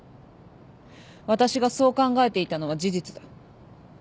私がそう考えていたのは事実だ。